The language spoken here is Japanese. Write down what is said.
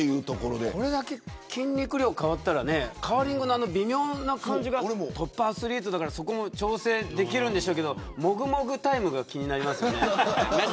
これだけ筋肉量が変わったらカーリングの微妙な感じがトップアスリートだからそこも調整できるんでしょうけどもぐもぐタイムも気になりますね。